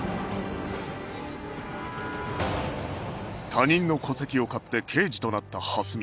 他人の戸籍を買って刑事となった蓮見